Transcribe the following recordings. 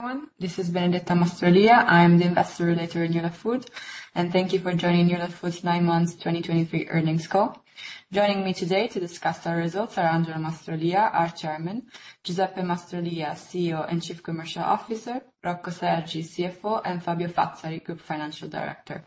Hi, this is Benedetta Mastrolia. I'm the Investor Relations at Newlat Food, and thank you for joining Newlat Food's Nine Months 2023 Earnings Call. Joining me today to discuss our results are Angelo Mastrolia, our Chairman, Giuseppe Mastrolia, CEO and Chief Commercial Officer, Rocco Sergi, CFO, and Fabio Fazzari, Group Financial Director.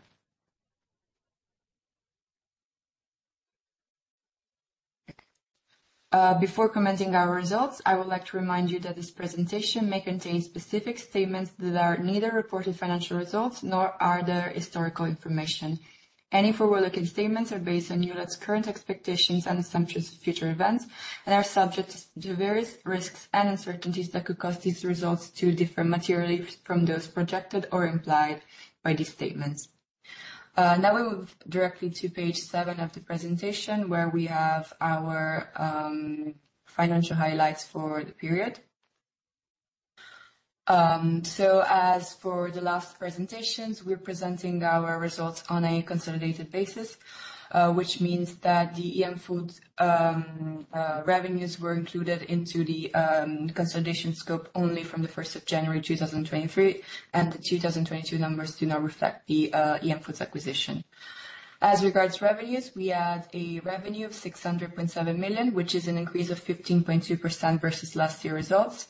Before commenting on our results, I would like to remind you that this presentation may contain specific statements that are neither reported financial results nor historical information. Any forward-looking statements are based on Newlat's current expectations and assumptions of future events, and are subject to various risks and uncertainties that could cause these results to differ materially from those projected or implied by these statements. Now we move directly to page 7 of the presentation, where we have our financial highlights for the period. So as for the last presentations, we're presenting our results on a consolidated basis, which means that the EM Foods revenues were included into the consolidation scope only from the first of January 2023, and the 2022 numbers do not reflect the EM Foods acquisition. As regards to revenues, we had a revenue of 600.7 million, which is an increase of 15.2% versus last year's results.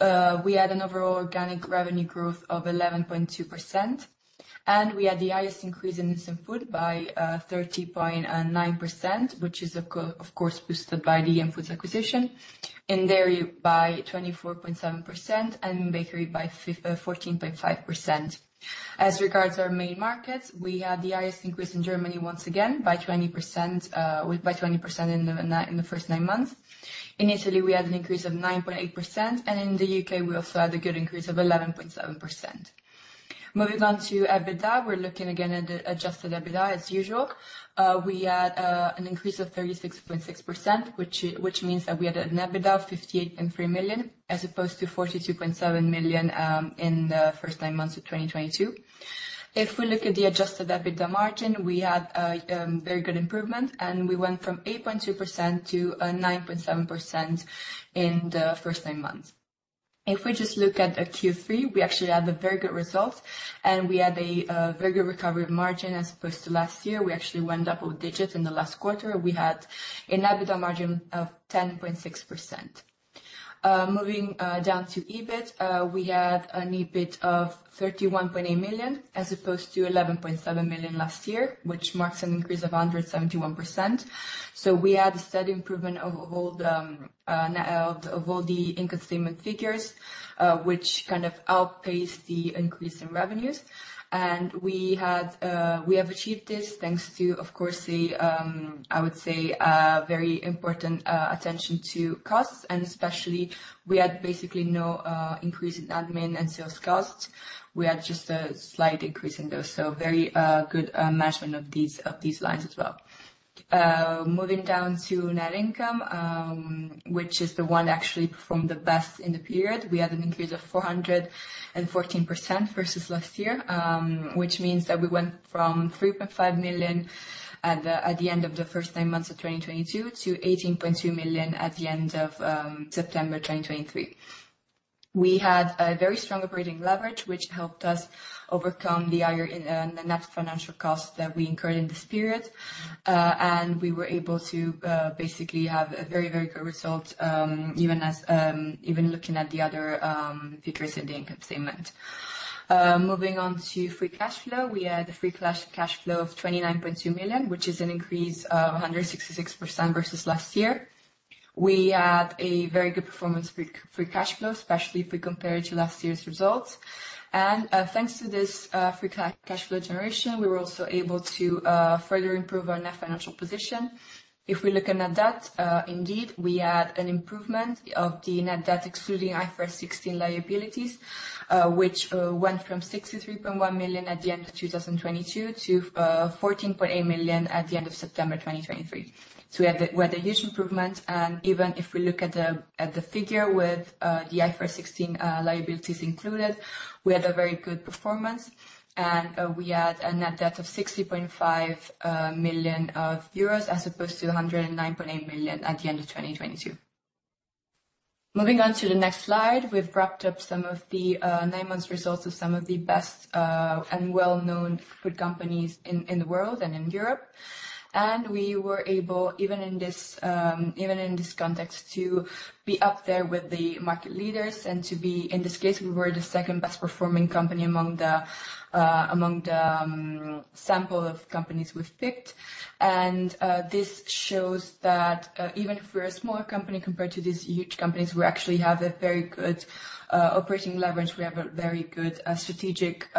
We had an overall organic revenue growth of 11.2%, and we had the highest increase in instant food by 30.9%, which is of course boosted by the EM Foods acquisition. In dairy by 24.7% and in bakery by 14.5%. As regards to our main markets, we had the highest increase in Germany once again by 20%, with by 20% in the first nine months. In Italy, we had an increase of 9.8%, and in the UK, we also had a good increase of 11.7%. Moving on to EBITDA, we're looking again at the adjusted EBITDA as usual. We had an increase of 36.6%, which means that we had an EBITDA of 58.3 million, as opposed to 42.7 million in the first nine months of 2022. If we look at the adjusted EBITDA margin, we had a very good improvement, and we went from 8.2% to 9.7% in the first nine months. If we just look at the Q3, we actually had a very good result, and we had a very good recovery margin as opposed to last year. We actually went double digits in the last quarter. We had an EBITDA margin of 10.6%. Moving down to EBIT, we had an EBIT of 31.8 million, as opposed to 11.7 million last year, which marks an increase of 171%. So we had a steady improvement of all the income statement figures, which kind of outpaced the increase in revenues. And we had... We have achieved this thanks to, of course, the, I would say, a very important attention to costs, and especially we had basically no increase in admin and sales costs. We had just a slight increase in those, so very good management of these, of these lines as well. Moving down to net income, which is the one actually performed the best in the period. We had an increase of 414% versus last year, which means that we went from 3.5 million at the end of the first nine months of 2022 to 18.2 million at the end of September 2023. We had a very strong operating leverage, which helped us overcome the higher in the net financial costs that we incurred in this period, and we were able to basically have a very, very good result, even as. Even looking at the other features in the income statement. Moving on to free cash flow. We had a free cash flow of 29.2 million, which is an increase of 166% versus last year. We had a very good performance free cash flow, especially if we compare it to last year's results. Thanks to this, free cash flow generation, we were also able to further improve our net financial position. If we're looking at debt, indeed, we had an improvement of the net debt, excluding IFRS 16 liabilities, which went from 63.1 million at the end of 2022 to 14.8 million at the end of September 2023. So we had a huge improvement, and even if we look at the figure with the IFRS 16 liabilities included, we had a very good performance, and we had a net debt of 60.5 million euros, as opposed to 109.8 million at the end of 2022. Moving on to the next slide, we've wrapped up some of the nine months results of some of the best and well-known food companies in the world and in Europe. And we were able, even in this context, to be up there with the market leaders and to be, in this case, we were the second best performing company among the sample of companies we've picked. This shows that even if we're a smaller company compared to these huge companies, we actually have a very good operating leverage. We have a very good strategic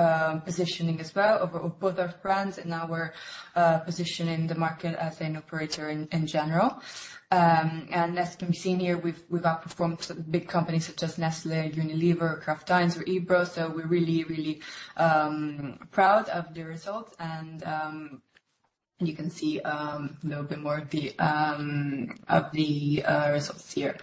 positioning as well of both our brands and our position in the market as an operator in general. And as can be seen here, we've outperformed some big companies such as Nestlé, Unilever, Kraft Heinz or Ebro. So we're really, really proud of the results. And you can see a little bit more of the results here.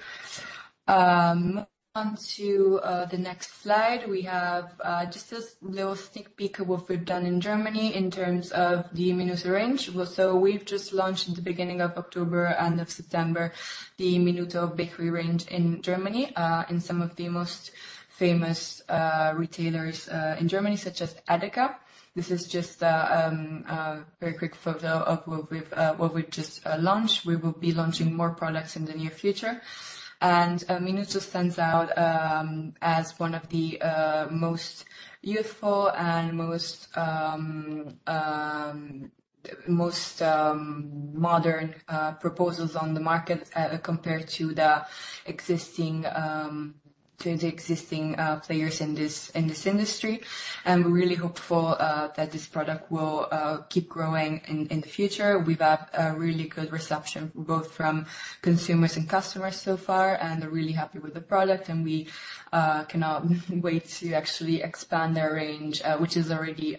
Onto the next slide, we have just this little sneak peek of what we've done in Germany in terms of the Minuto range. Well, so we've just launched in the beginning of October, end of September, the Minuto Bakery range in Germany, in some of the most famous retailers in Germany, such as EDEKA. This is just a very quick photo of what we've just launched. We will be launching more products in the near future. And Minuto stands out as one of the most youthful and most modern proposals on the market compared to the existing players in this industry. And we're really hopeful that this product will keep growing in the future. We've had a really good reception, both from consumers and customers so far, and they're really happy with the product, and we cannot wait to actually expand their range, which is already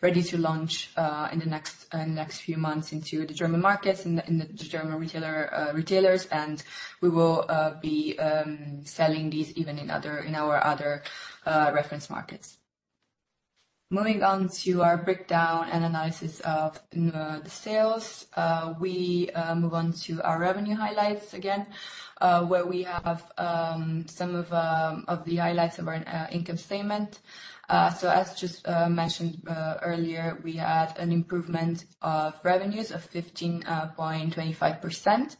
ready to launch in the next few months into the German markets, in the German retailers. And we will be selling these even in our other reference markets. Moving on to our breakdown and analysis of the sales. We move on to our revenue highlights again, where we have some of the highlights of our income statement. So as just mentioned earlier, we had an improvement of revenues of 15.25%,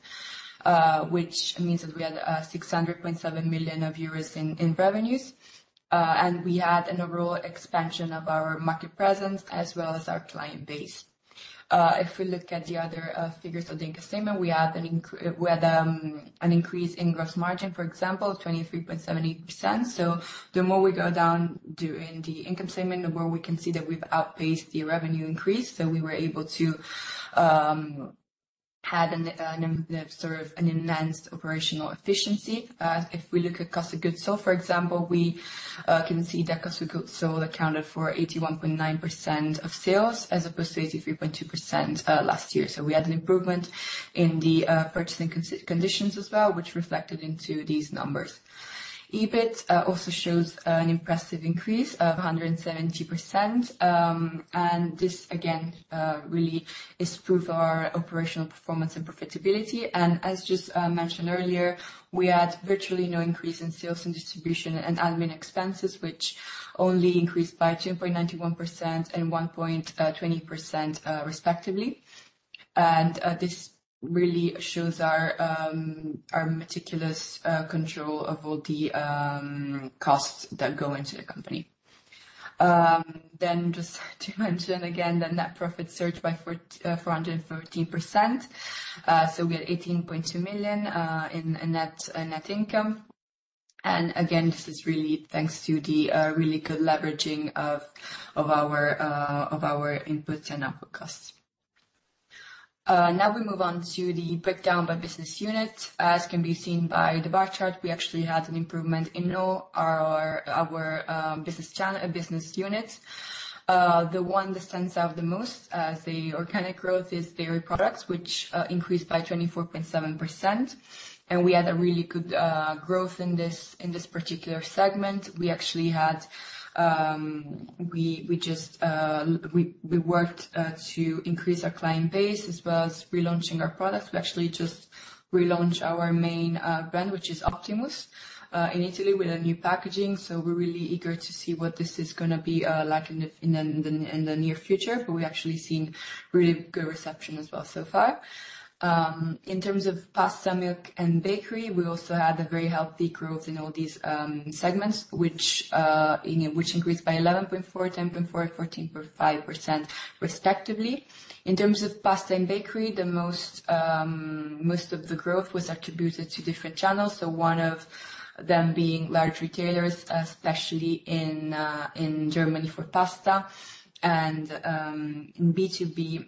which means that we had 600.7 million euros in revenues. We had an overall expansion of our market presence as well as our client base. If we look at the other figures of the income statement, we had an increase in gross margin, for example, 23.70%. So the more we go down during the income statement, the more we can see that we've outpaced the revenue increase. So we were able to have sort of an enhanced operational efficiency. If we look at cost of goods sold, for example, we can see that cost of goods sold accounted for 81.9% of sales, as opposed to 83.2% last year. So we had an improvement in the purchasing conditions as well, which reflected into these numbers. EBIT also shows an impressive increase of 170%. And this again really is proof our operational performance and profitability. And as just mentioned earlier, we had virtually no increase in sales and distribution and admin expenses, which only increased by 2.91% and 1.20%, respectively. And this really shows our meticulous control of all the costs that go into the company. Then just to mention again, the net profit surged by 414%. So we had 18.2 million in net income. And again, this is really thanks to the really good leveraging of our inputs and output costs. Now we move on to the breakdown by business unit. As can be seen by the bar chart, we actually had an improvement in all our business channels, business units. The one that stands out the most, as the organic growth is dairy products, which increased by 24.7%. We had a really good growth in this particular segment. We actually just worked to increase our client base, as well as relaunching our product. We actually just relaunched our main brand, which is Optimus, in Italy, with a new packaging. So we're really eager to see what this is gonna be like in the near future. But we actually seen really good reception as well so far. In terms of pasta, milk, and bakery, we also had a very healthy growth in all these segments, which, you know, increased by 11.4%, 10.4%, and 14.5% respectively. In terms of pasta and bakery, the most of the growth was attributed to different channels. So one of them being large retailers, especially in Germany for pasta and in B2B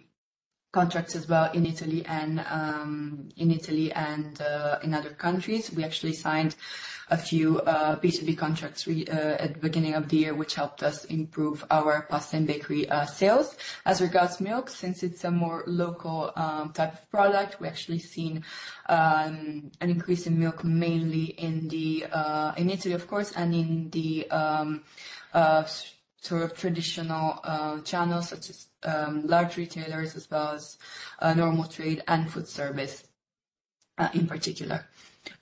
contracts as well, in Italy and in other countries. We actually signed a few B2B contracts at the beginning of the year, which helped us improve our pasta and bakery sales. As regards milk, since it's a more local type of product, we actually seen an increase in milk, mainly in Italy, of course, and in the sort of traditional channels such as large retailers, as well as normal trade and food service, in particular.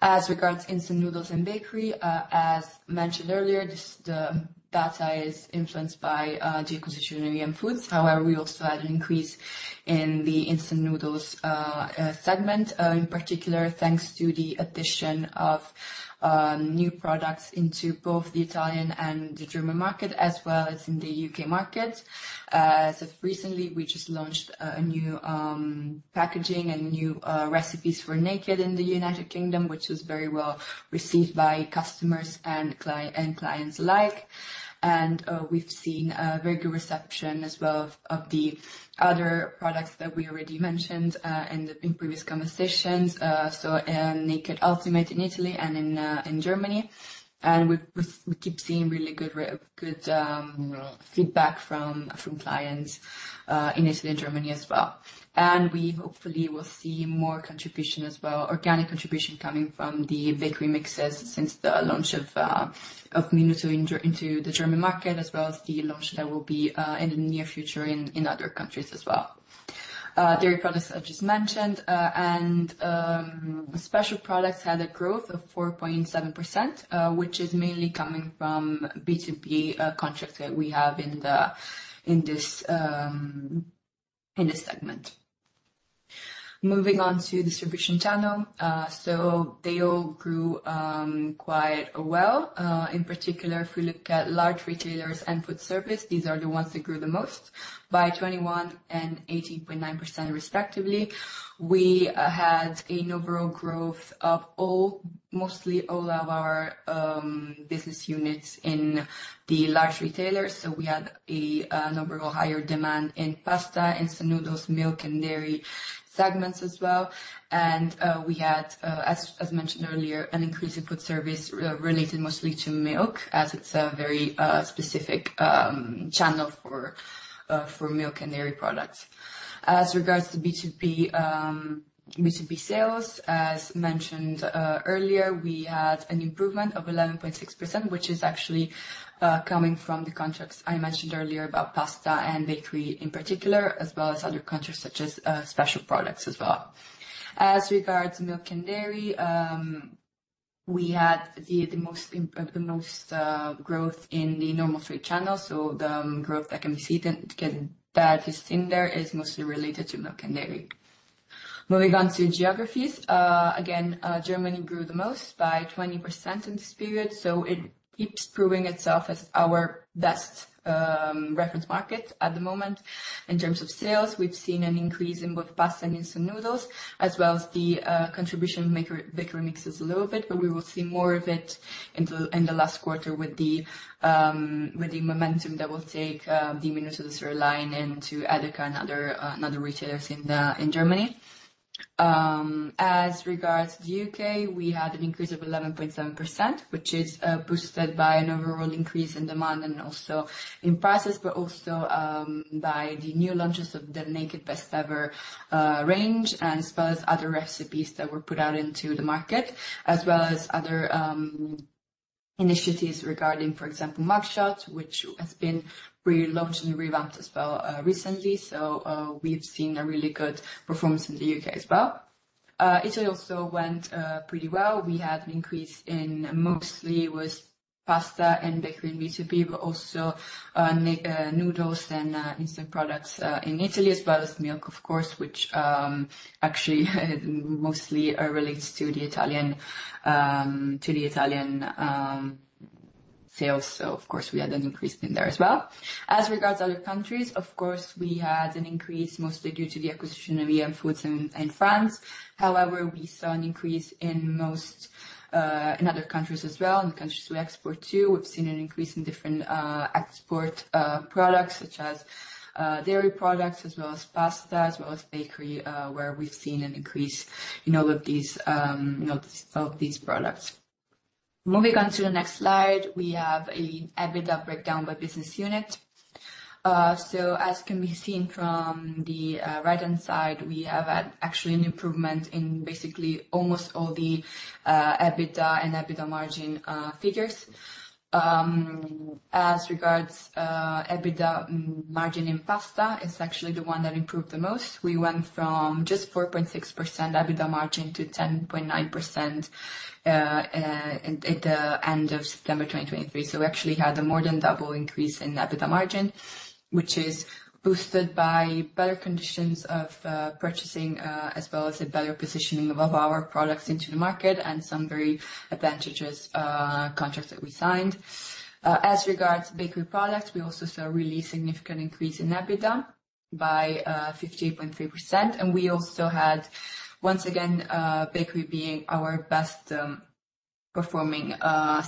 As regards instant noodles and bakery, as mentioned earlier, the data is influenced by EM Foods. However, we also had an increase in the instant noodles segment, in particular, thanks to the addition of new products into both the Italian and the German market, as well as in the U.K. market. So recently, we just launched a new packaging and new recipes for Naked in the United Kingdom, which was very well received by customers and clients alike. We've seen a very good reception as well of the other products that we already mentioned in previous conversations. So, Naked Ultimate in Italy and in Germany. And we keep seeing really good feedback from clients in Italy and Germany as well. And we hopefully will see more contribution as well, organic contribution coming from the bakery mixes since the launch of Minuto into the German market, as well as the launch that will be in the near future in other countries as well. Dairy products I just mentioned, and special products had a growth of 4.7%, which is mainly coming from B2B contracts that we have in this segment. Moving on to distribution channel. So they all grew quite well. In particular, if we look at large retailers and food service, these are the ones that grew the most by 21% and 18.9%, respectively. We had an overall growth of all, mostly all of our business units in the large retailers. So we had a number of higher demand in pasta, instant noodles, milk and dairy segments as well. And we had, as mentioned earlier, an increase in food service related mostly to milk, as it's a very specific channel for milk and dairy products. As regards to B2B, B2B sales, as mentioned, earlier, we had an improvement of 11.6%, which is actually, coming from the contracts I mentioned earlier about pasta and bakery in particular, as well as other countries, such as, special products as well. As regards to milk and dairy, we had the most growth in the normal trade channel, so the growth that can be seen can, that is in there is mostly related to milk and dairy. Moving on to geographies. Again, Germany grew the most by 20% in this period, so it keeps proving itself as our best, reference market at the moment. In terms of sales, we've seen an increase in both pasta and instant noodles, as well as the contribution maker, bakery mixes a little bit, but we will see more of it in the last quarter with the momentum that will take the Minuto to the third line into EDEKA and other retailers in Germany. As regards to U.K., we had an increase of 11.7%, which is boosted by an overall increase in demand and also in prices, but also by the new launches of the Naked Best Ever range, and as well as other recipes that were put out into the market, as well as other initiatives regarding, for example, Mug Shot, which has been relaunched and revamped as well recently. So, we've seen a really good performance in the U.K. as well. Italy also went pretty well. We had an increase in mostly with pasta and bakery in B2B, but also, noodles and instant products in Italy, as well as milk, of course, which actually mostly are related to the Italian sales. So of course, we had an increase in there as well. As regards to other countries, of course, we had an increase, mostly due to the acquisition of EM Foods in France. However, we saw an increase in most other countries as well, in the countries we export to. We've seen an increase in different export products such as dairy products, as well as pasta, as well as bakery, where we've seen an increase in all of these, you know, of these products. Moving on to the next slide, we have an EBITDA breakdown by business unit. So as can be seen from the right-hand side, we have had actually an improvement in basically almost all the EBITDA and EBITDA margin figures. As regards EBITDA margin in pasta, is actually the one that improved the most. We went from just 4.6% EBITDA margin to 10.9%, at the end of September 2023. So we actually had a more than double increase in EBITDA margin, which is boosted by better conditions of purchasing, as well as a better positioning of our products into the market and some very advantageous contracts that we signed. As regards to bakery products, we also saw a really significant increase in EBITDA by 15.3%. And we also had, once again, bakery being our best performing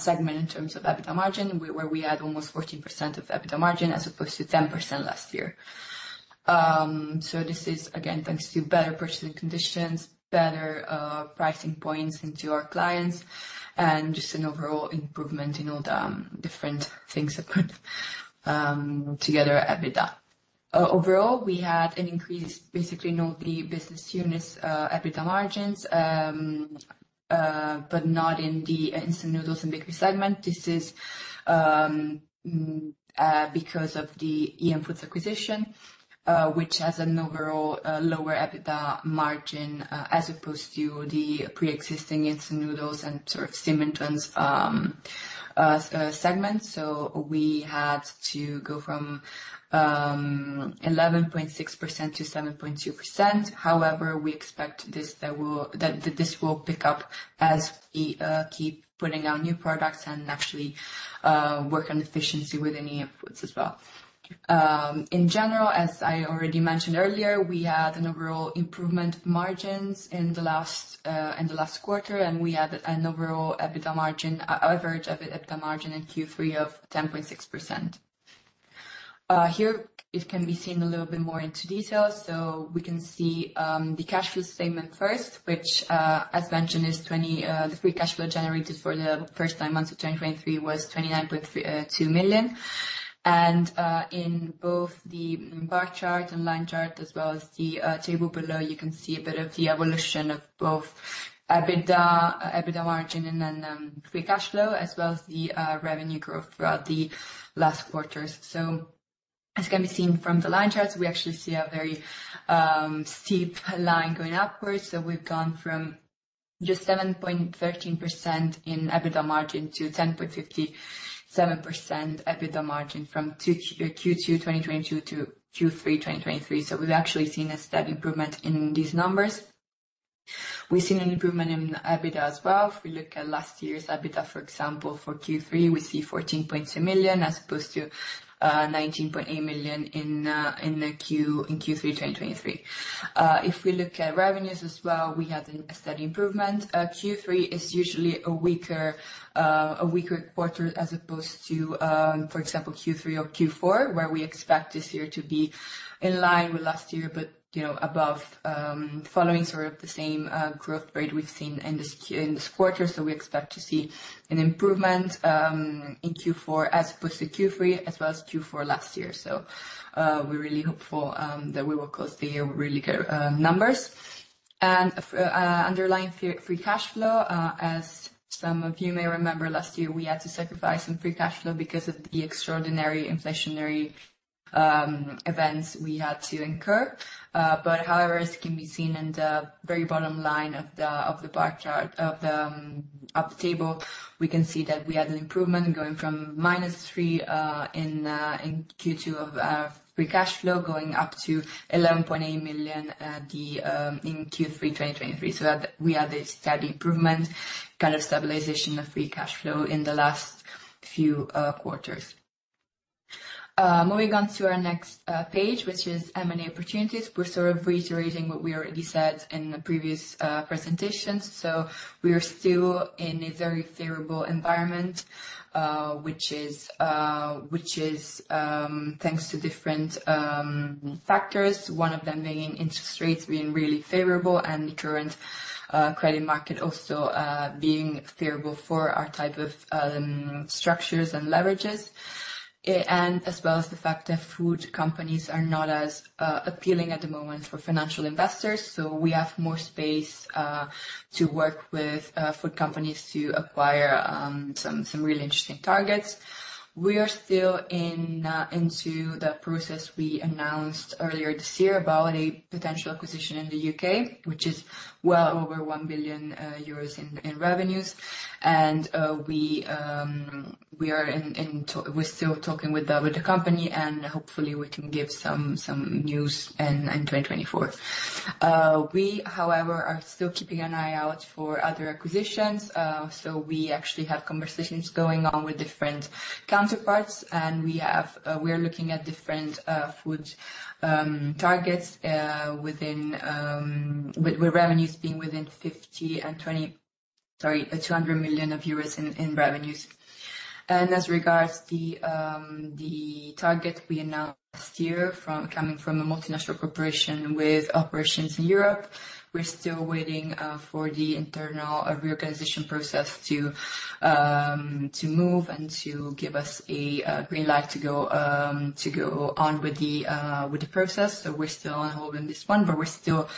segment in terms of EBITDA margin, where we had almost 14% of EBITDA margin as opposed to 10% last year. So this is again, thanks to better purchasing conditions, better pricing points into our clients, and just an overall improvement in all the different things that together EBITDA. Overall, we had an increase, basically in all the business units, EBITDA margins, but not in the instant noodles and bakery segment. This is because of the EM Foods acquisition, which has an overall lower EBITDA margin as opposed to the pre-existing instant noodles and sort of cinnamon buns segments. So we had to go from 11.6% to 7.2%. However, we expect that this will pick up as we keep putting out new products and actually work on efficiency with EM Foods as well. In general, as I already mentioned earlier, we had an overall improvement of margins in the last quarter, and we had an overall EBITDA margin, an average of EBITDA margin in Q3 of 10.6%. Here it can be seen a little bit more into details. So we can see the cash flow statement first, which, as mentioned, the free cash flow generated for the first nine months of 2023 was 29.32 million. In both the bar chart and line chart, as well as the table below, you can see a bit of the evolution of both EBITDA, EBITDA margin and then free cash flow, as well as the revenue growth throughout the last quarters. As can be seen from the line charts, we actually see a very steep line going upwards. So we've gone from just 7.13% in EBITDA margin to 10.57% EBITDA margin from Q2 2022 to Q3 2023. So we've actually seen a steady improvement in these numbers. We've seen an improvement in the EBITDA as well. If we look at last year's EBITDA, for example, for Q3, we see 14.2 million as opposed to 19.8 million in Q3 2023. If we look at revenues as well, we had a steady improvement. Q3 is usually a weaker quarter as opposed to for example Q3 or Q4, where we expect this year to be in line with last year, but you know, above, following sort of the same growth rate we've seen in this quarter. So we expect to see an improvement in Q4 as opposed to Q3, as well as Q4 last year. So, we're really hopeful that we will close the year with really good numbers. Underlying free cash flow, as some of you may remember, last year, we had to sacrifice some free cash flow because of the extraordinary inflationary events we had to incur. But however, as can be seen in the very bottom line of the bar chart, of the table, we can see that we had an improvement going from -3 million in Q2 to EUR 11.8 million in Q3, 2023. We had a steady improvement, kind of stabilization of free cash flow in the last few quarters. Moving on to our next page, which is M&A opportunities. We're sort of reiterating what we already said in the previous presentations. So we are still in a very favorable environment, which is thanks to different factors. One of them being interest rates being really favorable and the current credit market also being favorable for our type of structures and leverages. And as well as the fact that food companies are not as appealing at the moment for financial investors. So we have more space to work with food companies to acquire some really interesting targets. We are still into the process we announced earlier this year about a potential acquisition in the U.K., which is well over 1 billion euros in revenues. We're still talking with the company, and hopefully we can give some news in 2024. We, however, are still keeping an eye out for other acquisitions. So we actually have conversations going on with different counterparts, and we are looking at different food targets within revenues being within 50 million-200 million euros in revenues. As regards the target we announced last year coming from a multinational corporation with operations in Europe, we're still waiting for the internal reorganization process to move and to give us a green light to go on with the process. So we're still on hold on this one, but we're still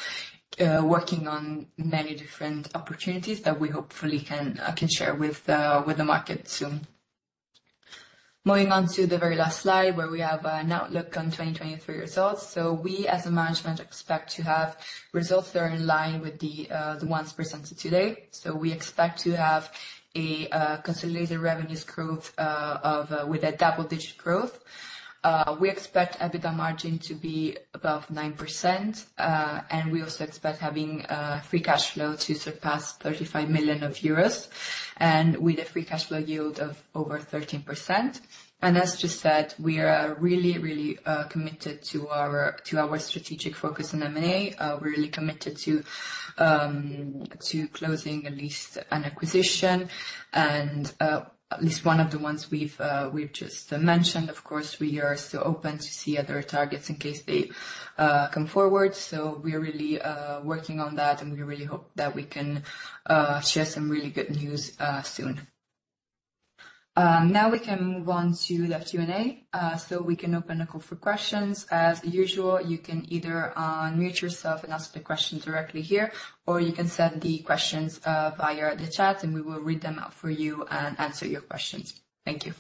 working on many different opportunities that we hopefully can share with the market soon. Moving on to the very last slide, where we have an outlook on 2023 results. We, as a management, expect to have results that are in line with the ones presented today. We expect to have a consolidated revenues growth with a double-digit growth. We expect EBITDA margin to be above 9%, and we also expect having free cash flow to surpass 35 million euros, and with a free cash flow yield of over 13%. And as just said, we are really, really committed to our strategic focus on M&A. We're really committed to closing at least an acquisition and at least one of the ones we've just mentioned. Of course, we are still open to see other targets in case they come forward. So we're really working on that, and we really hope that we can share some really good news soon. Now we can move on to the Q&A. So we can open the call for questions. As usual, you can either unmute yourself and ask the question directly here, or you can send the questions via the chat, and we will read them out for you and answer your questions. Thank you.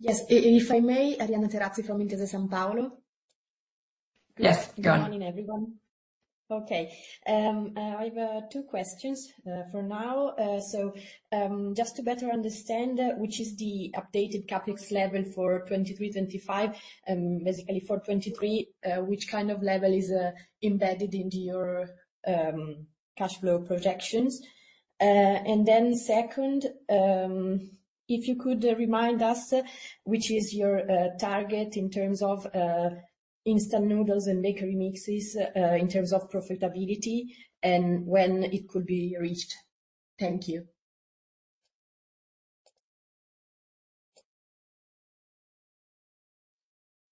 Yes, if I may, Arianna Terazzi from Intesa Sanpaolo. Yes, go on. Good morning, everyone. Okay, I have two questions for now. So, just to better understand, which is the updated CapEx level for 2023, 2025, basically for 2023, which kind of level is embedded into your cash flow projections? And then second, if you could remind us, which is your target in terms of instant noodles and bakery mixes, in terms of profitability and when it could be reached? Thank you.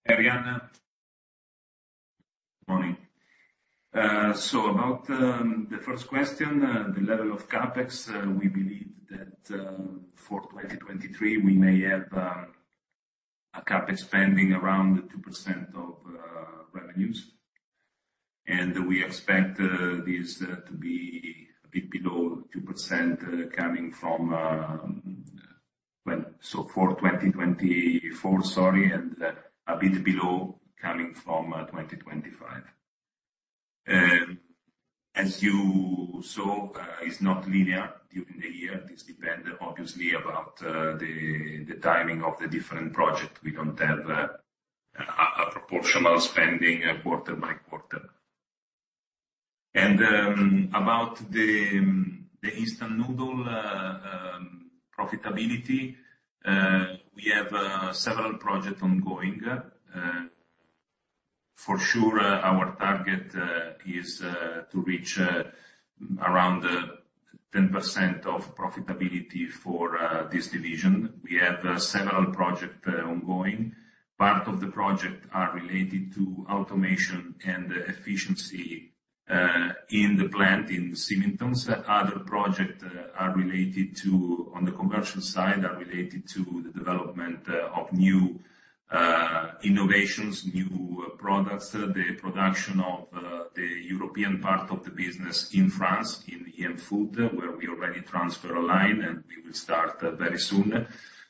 Arianna, good morning. So about the first question, the level of CapEx, we believe that for 2023, we may have a CapEx spending around 2% of revenues. And we expect this to be a bit below 2%, coming from, well, so for 2024, sorry, and a bit below coming from 2025. As you saw, it's not linear during the year. This depend, obviously, about the timing of the different project. We don't have a proportional spending quarter by quarter. And about the instant noodle profitability, we have several project ongoing. For sure, our target is to reach around 10% of profitability for this division. We have several project ongoing. Part of the project are related to automation and efficiency, in the plant in Symington's. Other project are related to on the commercial side, are related to the development, of new, innovations, new products. The production of, the European part of the business in France, in EM Foods, where we already transfer a line, and we will start, very soon.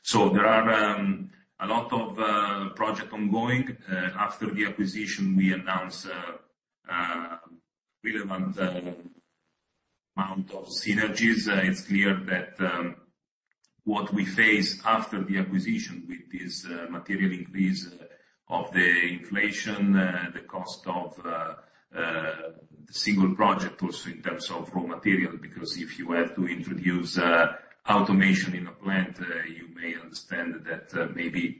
So there are, a lot of, project ongoing. After the acquisition, we announced, relevant, amount of synergies. It's clear that what we face after the acquisition with this material increase of the inflation, the cost of single project, also in terms of raw material, because if you had to introduce automation in a plant, you may understand that maybe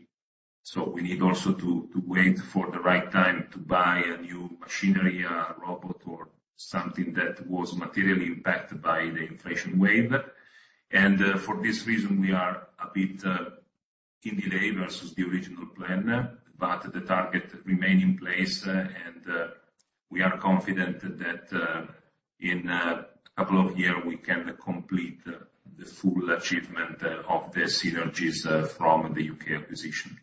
so we need also to wait for the right time to buy a new machinery, a robot, or something that was materially impacted by the inflation wave. And for this reason, we are a bit in delay versus the original plan, but the target remain in place, and we are confident that in a couple of year, we can complete the full achievement of the synergies from the U.K. acquisition.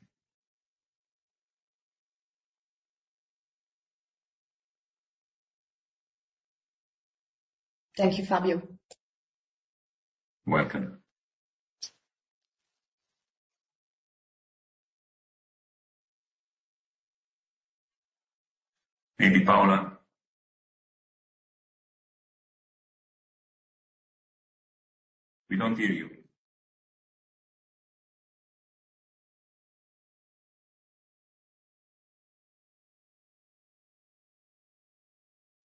Thank you, Fabio. Welcome. Maybe, Paola? We don't hear you.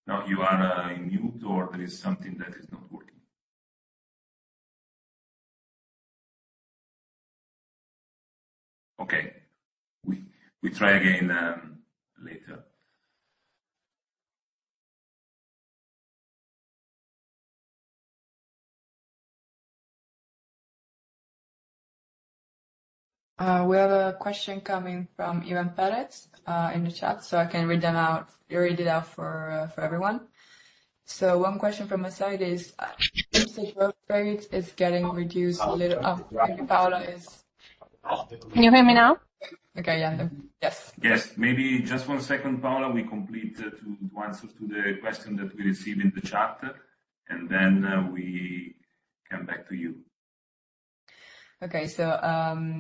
Now you are in mute, or there is something that is not working. Okay, we try again, later. We have a question coming from Evan Pallets in the chat, so I can read it out for everyone. So one question from my side is, growth rate is getting reduced a little after Paola is- Can you hear me now? Okay. Yeah. Yes. Yes. Maybe just one second, Paola. We complete to answer to the question that we received in the chat, and then we come back to you. Okay. So,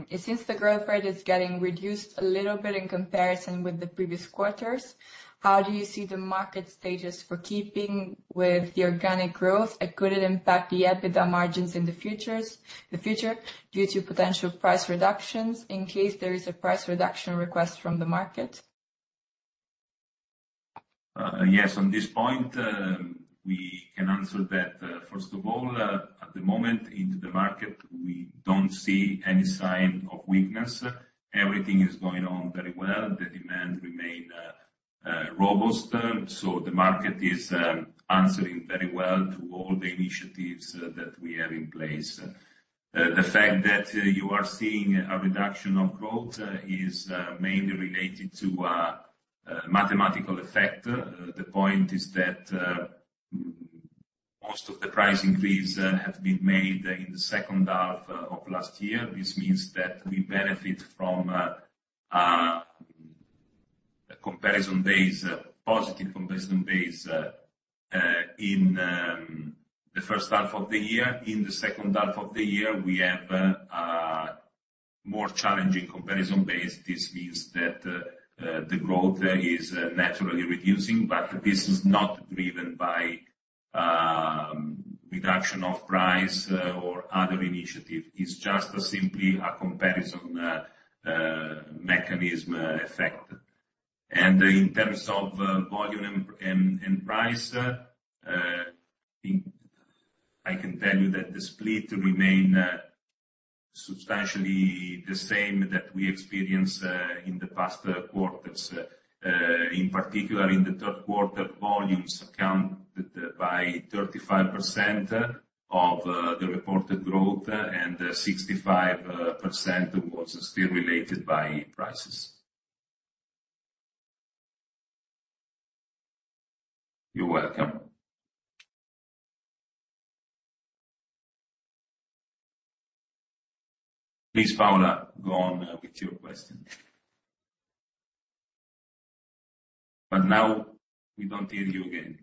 it seems the growth rate is getting reduced a little bit in comparison with the previous quarters. How do you see the market stages for keeping with the organic growth? And could it impact the EBITDA margins in the future, due to potential price reductions in case there is a price reduction request from the market? Yes, on this point, we can answer that. First of all, at the moment, into the market, we don't see any sign of weakness. Everything is going on very well. The demand remain robust, so the market is answering very well to all the initiatives that we have in place. The fact that you are seeing a reduction of growth is mainly related to a mathematical effect. The point is that most of the price increase have been made in the second half of last year. This means that we benefit from comparison base, positive comparison base, in the first half of the year. In the second half of the year, we have a more challenging comparison base. This means that the growth is naturally reducing, but this is not driven by reduction of price or other initiative. It's just simply a comparison mechanism effect. And in terms of volume and price, I can tell you that the split remain substantially the same that we experienced in the past quarters. In particular, in the third quarter, volumes accounted by 35% of the reported growth, and 65% was still related by prices. You're welcome. Please, Paola, go on with your question. But now we don't hear you again.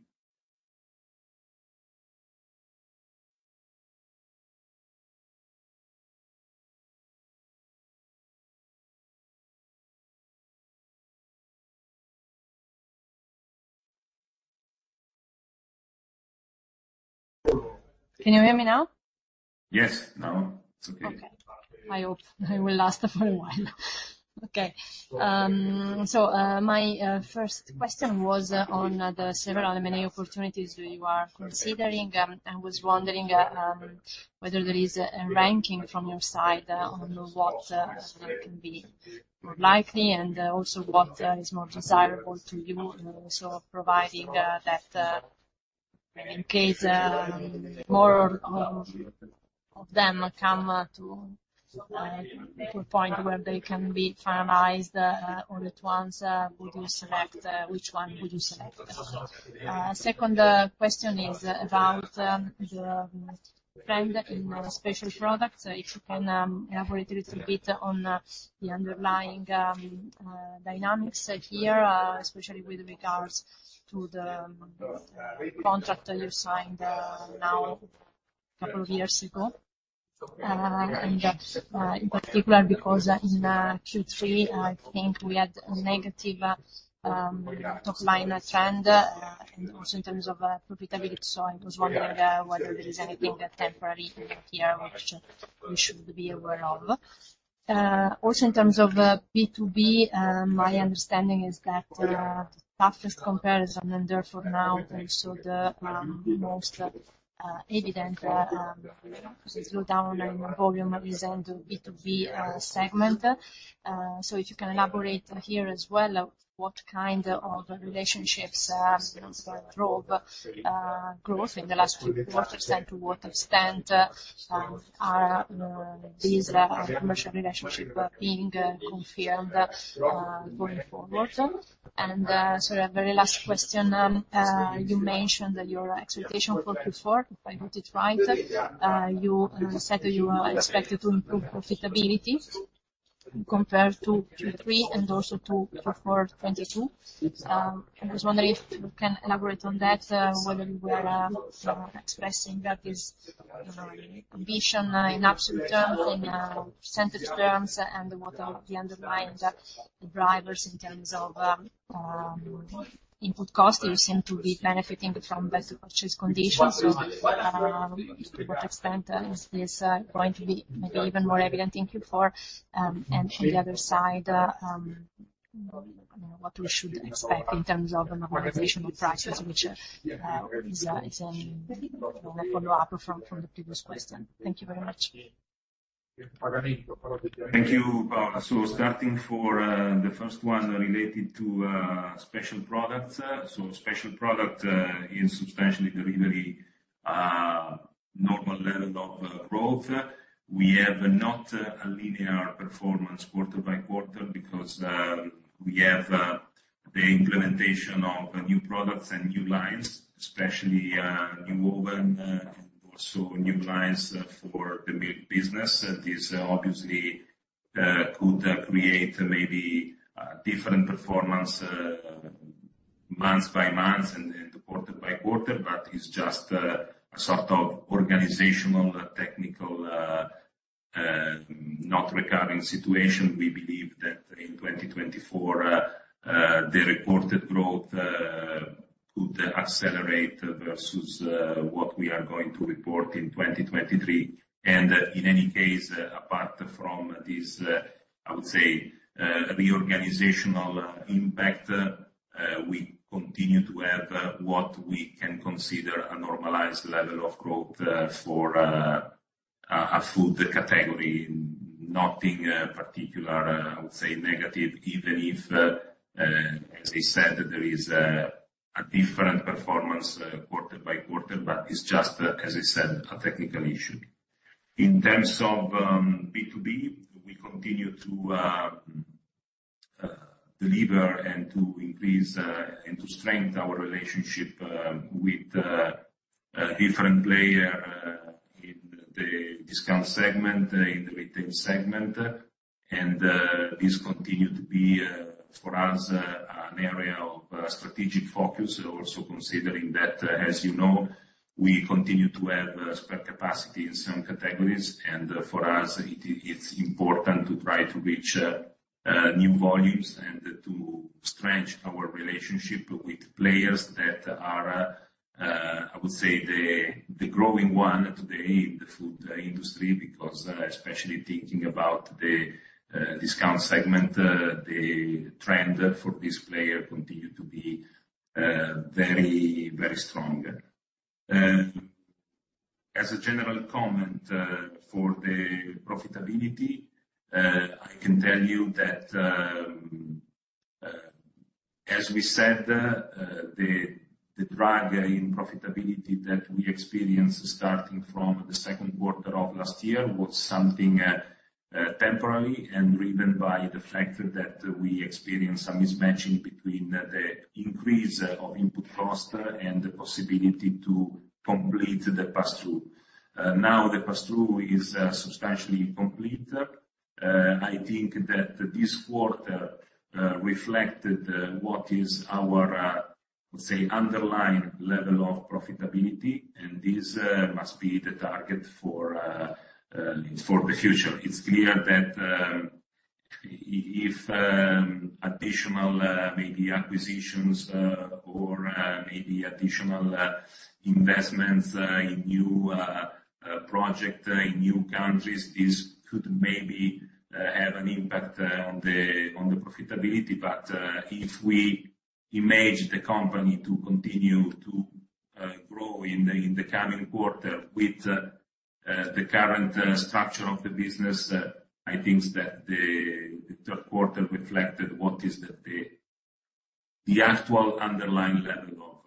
Can you hear me now? Yes, now it's okay. Okay. I hope it will last for a while. Okay, so, my first question was on the several many opportunities you are considering. I was wondering whether there is a ranking from your side on what can be more likely, and also what is more desirable to you. Also, providing that, in case more of them come to a point where they can be finalized, or at once, would you select which one would you select? Second question is about the trend in special products. If you can elaborate a little bit on the underlying dynamics here, especially with regards to the contract that you signed now a couple of years ago. In particular, because in Q3, I think we had a negative top line trend, and also in terms of profitability. So I was wondering whether there is anything temporary here, which we should be aware of. Also, in terms of B2B, my understanding is that the toughest comparison, and therefore now also the most evident slow down in volume is in the B2B segment. So if you can elaborate here as well, what kind of relationships drove growth in the last few quarters, and to what extent are these commercial relationships being confirmed going forward? The very last question, you mentioned that your expectation for Q4, if I got it right, you said you are expected to improve profitability compared to Q3 and also to Q4 2022. I was wondering if you can elaborate on that, whether you are expressing that this, you know, condition in absolute terms, in percentage terms, and what are the underlying drivers in terms of input costs. You seem to be benefiting from best purchase conditions. What extent is this going to be maybe even more evident in Q4? And on the other side, what we should expect in terms of normalization of prices, which is a follow-up from the previous question. Thank you very much. Thank you, Paula. So starting for the first one related to special products. So special product is substantially delivering normal level of growth. We have not a linear performance quarter by quarter because we have the implementation of new products and new lines, especially new oven, and also new lines for the main business. This obviously could create maybe a different performance month by month and quarter by quarter, but it's just a sort of organizational, technical not recurring situation. We believe that in 2024 the reported growth could accelerate versus what we are going to report in 2023. In any case, apart from this, I would say, the organizational impact, we continue to have what we can consider a normalized level of growth for a food category. Nothing particular, I would say negative even if as I said, there is a different performance quarter by quarter but it's just, as I said a technical issue. In terms of B2B, we continue to deliver and to increase and to strengthen our relationship with different player in the discount segment, in the retail segment. And this continued to be for us an area of strategic focus. Also considering that, as you know, we continue to have spare capacity in some categories, and for us it's important to try to reach new volumes and to strengthen our relationship with players that are, I would say, the growing one today in the food industry. Because especially thinking about the discount segment, the trend for this player continued to be very, very strong. As a general comment, for the profitability, I can tell you that, as we said, the drag in profitability that we experienced starting from the second quarter of last year was something temporary and driven by the fact that we experienced a mismatching between the increase of input costs and the possibility to complete the pass-through. Now the pass-through is substantially complete. I think that this quarter reflected what is our say underlying level of profitability, and this must be the target for the future. It's clear that if additional maybe acquisitions or maybe additional investments in new project in new countries, this could maybe have an impact on the profitability. But if we imagine the company to continue to grow in the coming quarter with the current structure of the business, I think that the third quarter reflected what is the actual underlying level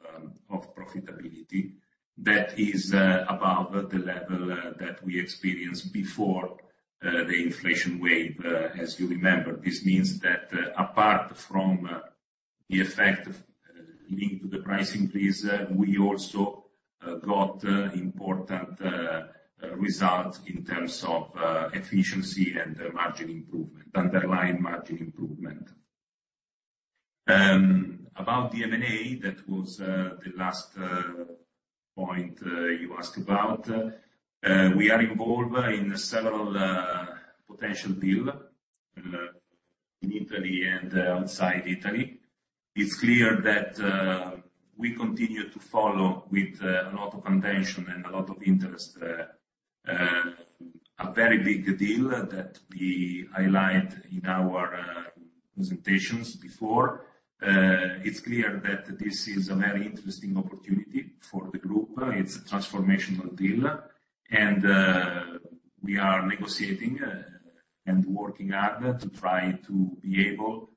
of profitability. That is about the level that we experienced before the inflation wave as you remember. This means that, apart from the effect of leading to the price increase, we also got important results in terms of efficiency and margin improvement, underlying margin improvement. About the M&A, that was the last point you asked about. We are involved in several potential deal in Italy and outside Italy. It's clear that we continue to follow with a lot of attention and a lot of interest a very big deal that we highlight in our presentations before. It's clear that this is a very interesting opportunity for the group. It's a transformational deal, and we are negotiating and working hard to try to be able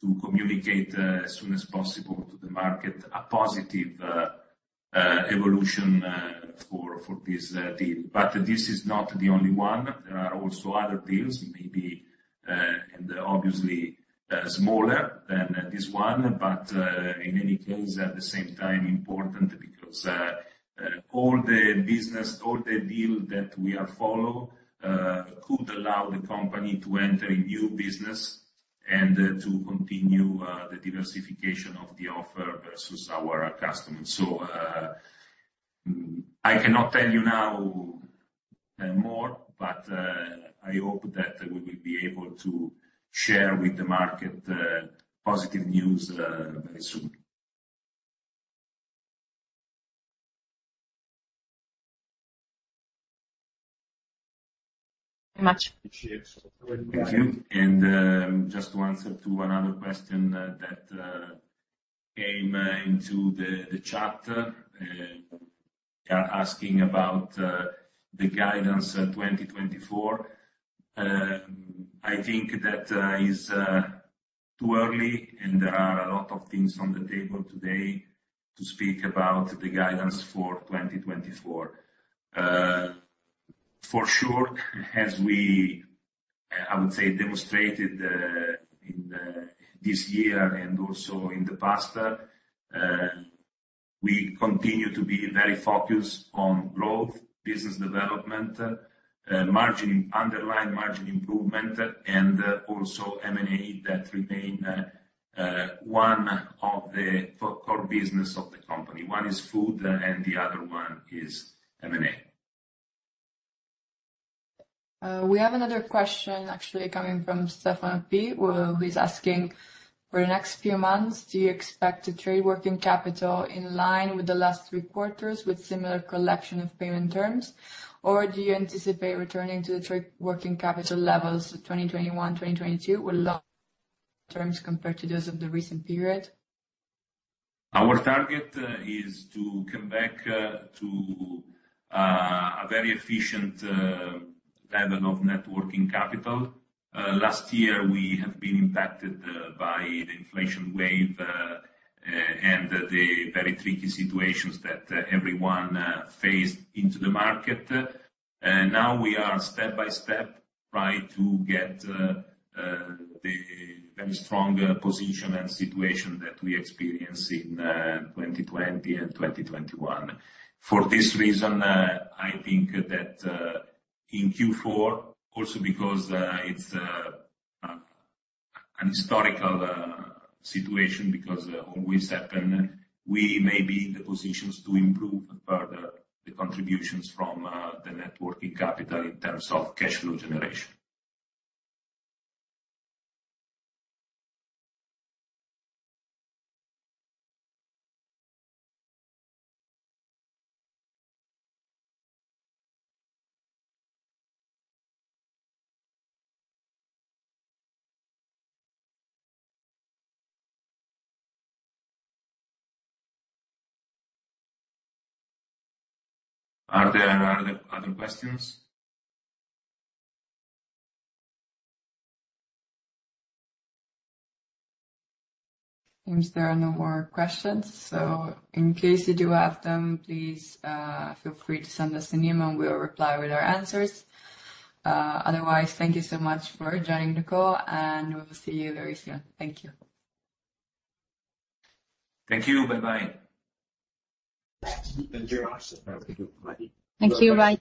to communicate as soon as possible to the market, a positive evolution for this deal. But this is not the only one. There are also other deals, maybe, and obviously, smaller than this one, but in any case, at the same time, important because all the business, all the deal that we are follow could allow the company to enter a new business and to continue the diversification of the offer versus our customers. So I cannot tell you now more, but I hope that we will be able to share with the market positive news very soon. Much appreciate. Thank you. Just to answer to another question that came into the chat asking about the guidance 2024. I think that is too early and there are a lot of things on the table today to speak about the guidance for 2024. For sure, as we I would say demonstrated in this year and also in the past, we continue to be very focused on growth, business development, margin, underlying margin improvement, and also M&A that remain one of the core business of the company. One is food, and the other one is M&A. We have another question actually coming from Stefan P., who is asking: For the next few months, do you expect to trade working capital in line with the last three quarters with similar collection of payment terms? Or do you anticipate returning to the trade working capital levels of 2021, 2022, with long terms compared to those of the recent period? Our target is to come back to a very efficient level of Net Working Capital. Last year, we have been impacted by the inflation wave and the very tricky situations that everyone faced into the market. Now we are step by step, trying to get the very strong position and situation that we experienced in 2020 and 2021. For this reason, I think that in Q4, also because it's an historical situation, because always happen, we may be in the positions to improve further the contributions from the Net Working Capital in terms of cash flow generation. Are there other questions? Seems there are no more questions, so in case you do have them, please, feel free to send us an email and we'll reply with our answers. Otherwise, thank you so much for joining the call, and we will see you very soon. Thank you. Thank you. Bye bye. Thank you. Thank you. Bye.